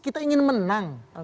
kita ingin menang